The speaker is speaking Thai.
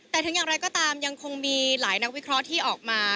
แต่ถึงอย่างไรก็ตามยังคงมีหลายนักวิเคราะห์ที่ออกมา